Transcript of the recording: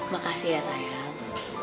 makasih ya sayang